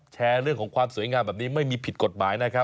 แชร์เรื่องของความสวยงามแบบนี้ไม่มีผิดกฎหมายนะครับ